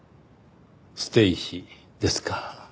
捨て石ですか。